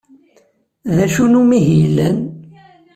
D acu n umihi yellan?